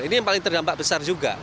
ini yang paling terdampak besar juga